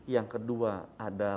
yang kedua kesehatan